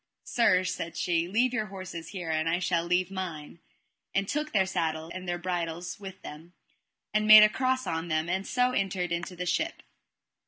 Sir, said she, leave your horse here, and I shall leave mine; and took their saddles and their bridles with them, and made a cross on them, and so entered into the ship.